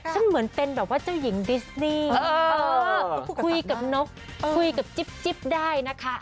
เหมือนเป็นแบบว่าเจ้าหญิงดิสนี่คุยกับนกคุยกับจิ๊บได้นะคะ